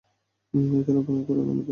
এজন্য অপেক্ষা করুন আর দেখে যান।